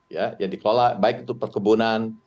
yang dikelola baik untuk perkebunan